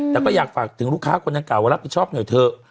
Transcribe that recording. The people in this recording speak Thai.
แต่ก็อยากฝากถึงลูกค้าคนดังกล่าว่ารับผิดชอบหน่อยเถอะ